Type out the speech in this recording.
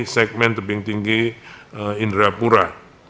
segmen tebing tinggi indrapura